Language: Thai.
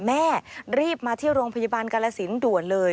แม่รีบมาที่โรงพยาบาลกาลสินด่วนเลย